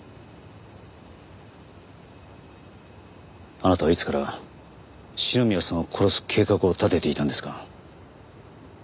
あなたはいつから篠宮さんを殺す計画を立てていたんですか？